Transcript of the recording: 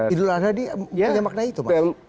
idul adha di mana makna itu mas